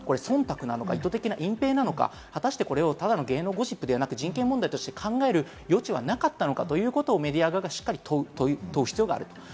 意図的な忖度なのか、意図的な隠蔽なのか、ただの芸能ゴシップではなく、人権問題として考える余地はなかったのかをメディア側がしっかりと問う必要がある。